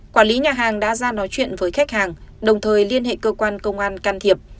quản lý nhà hàng đã ra nói chuyện với khách hàng đồng thời liên hệ cơ quan công an can thiệp